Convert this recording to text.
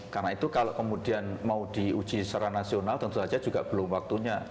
karena itu kalau kemudian mau diuji secara nasional tentu saja juga belum waktunya